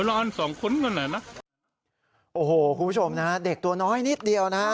โอ้โหคุณผู้ชมนะฮะเด็กตัวน้อยนิดเดียวนะฮะ